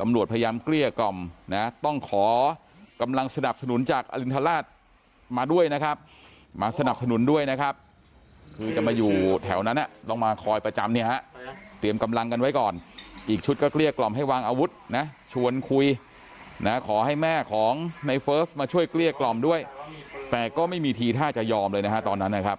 ตำรวจพยายามเกลี้ยกล่อมนะต้องขอกำลังสนับสนุนจากอลินทราชมาด้วยนะครับมาสนับสนุนด้วยนะครับคือจะมาอยู่แถวนั้นต้องมาคอยประจำเนี่ยฮะเตรียมกำลังกันไว้ก่อนอีกชุดก็เกลี้ยกล่อมให้วางอาวุธนะชวนคุยนะขอให้แม่ของในเฟิร์สมาช่วยเกลี้ยกล่อมด้วยแต่ก็ไม่มีทีท่าจะยอมเลยนะฮะตอนนั้นนะครับ